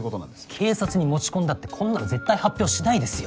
警察に持ち込んだってこんなの絶対発表しないですよ。